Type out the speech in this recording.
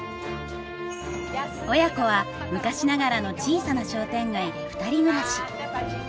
親子は昔ながらの小さな商店街で二人暮らし。